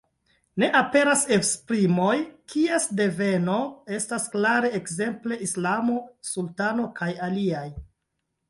Ne aperas esprimoj, kies deveno estas klara, ekzemple islamo, sultano kaj aliaj.